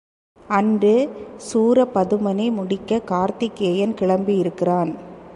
அன்று சூரபதுமனை முடிக்கக் கார்த்திகேயன் கிளம்பியிருக்கிறான்.